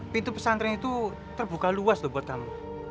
pintu pesantren itu terbuka luas loh buat kamu